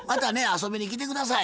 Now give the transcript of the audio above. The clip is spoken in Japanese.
遊びに来て下さい。